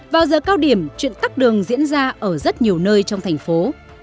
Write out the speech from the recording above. vào giờ cao điểm chuyện tắt đường diễn ra ở rất nhiều nơi trong thành phố